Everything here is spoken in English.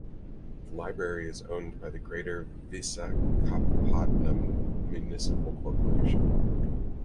The library is owned by the Greater Visakhapatnam Municipal Corporation.